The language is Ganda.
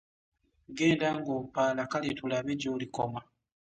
Genda ng'opaala kale tulabe gy'olikoma.